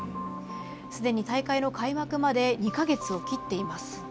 すでに大会の開幕まで２か月を切っています。